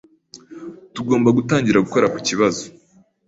Tugomba gutangira gukora kukibazo.